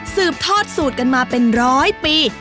สืบทอดสูตรกันมาเป็นร้อยปี